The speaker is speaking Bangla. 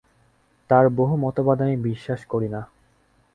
তাঁর বহু মতবাদে আমি বিশ্বাস করি না।